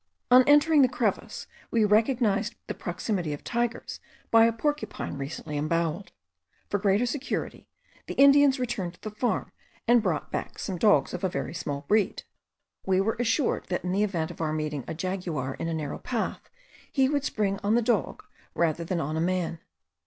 On entering the crevice we recognised the proximity of tigers by a porcupine recently emboweled. For greater security the Indians returned to the farm, and brought back some dogs of a very small breed. We were assured that in the event of our meeting a jaguar in a narrow path he would spring on the dog rather than on a man.